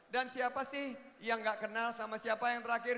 dan siapa sih yang gak kenal sama siapa yang terakhir